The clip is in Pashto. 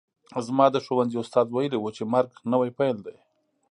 زما د ښوونځي استاد ویلي وو چې مرګ نوی پیل دی